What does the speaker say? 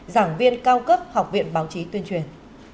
giảng viên cao cấp học viện báo chí tuyên truyền